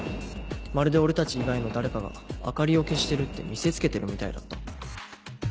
まるで俺たち以外の誰かが明かりを消してるって見せつけてるみたいだった。